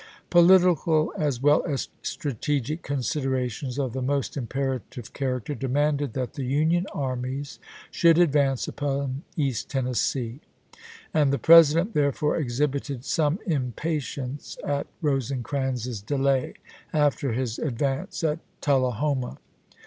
Political as well as strategic considerations of the most imperative character demanded that the Union armies should advance upon East Tennessee, and the President, therefore, exhibited some im patience at Rosecrans's delay after his advance at Tullahoma.